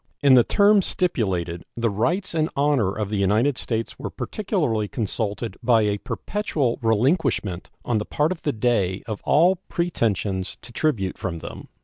In the terms stipulated the rights and honor of the United States were particularly consulted by a perpetual relinquishment on the part of the Dey of all pretensions to tribute from them.